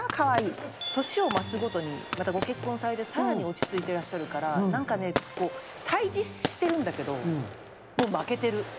年を増すごとにまたご結婚されて更に落ち着いていらっしゃるから何かねこう対峙してるんだけどもう負けてる。